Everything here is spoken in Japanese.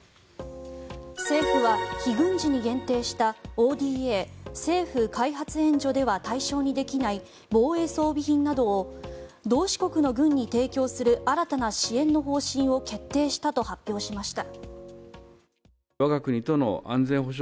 政府は非軍事に限定したＯＤＡ・政府開発援助では対象にできない防衛装備品などを同志国の軍に提供する新たな支援の方針を決定したと発表しました。